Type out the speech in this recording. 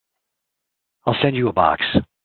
I'll send you a box.